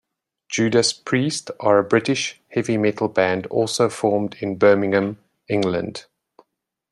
Judas Priest are a British heavy metal band also formed in Birmingham, England.